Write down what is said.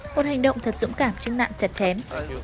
một hành động thật dũng cảm trước nạn chặt chém